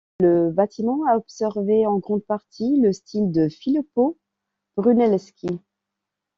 Le bâtiment a absorbé en grande partie le style de Filippo Brunelleschi.